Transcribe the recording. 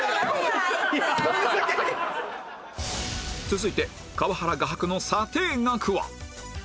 続いて川原画伯の査定額は？